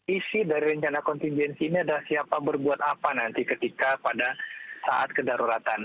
isi dari rencana kontingensi ini adalah siapa berbuat apa nanti ketika pada saat kedaruratan